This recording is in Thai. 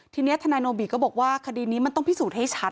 ทีนี้ทนายโนบิก็บอกว่าคดีนี้มันต้องพิสูจน์ให้ชัด